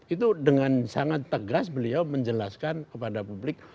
itu dengan sangat tegas beliau menjelaskan kepada publik